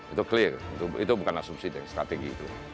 itu clear itu bukan asumsi strategi itu